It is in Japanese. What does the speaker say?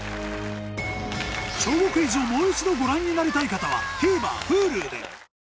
『小５クイズ』をもう一度ご覧になりたい方はＴＶｅｒＨｕｌｕで！